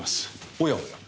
おやおや。